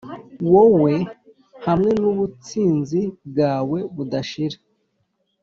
wowe hamwe nubutsinzi bwawe budashira